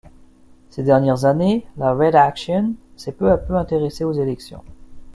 Ces dernières années, la Red Action s'est peu à peu intéressée aux élections.